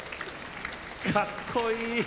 かっこいい。